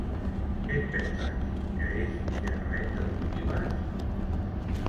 Què et penses, que és gerreta d'olives?